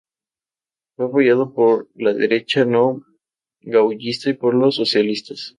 Fue apoyado por la derecha no gaullista y por los socialistas.